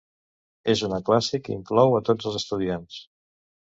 És una classe que inclou a tots els estudiants.